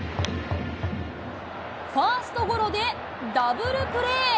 ファーストゴロでダブルプレー。